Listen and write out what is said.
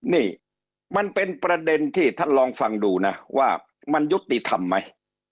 นี่มันเป็นประเด็นที่ท่านลองฟังดูนะว่ามันยุติธรรมไหม